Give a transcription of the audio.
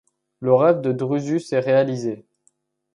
Le rêve de Drusus est réalisé.